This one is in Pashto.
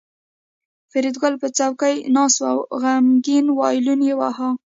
فریدګل په څوکۍ ناست و او غمګین وایلون یې واهه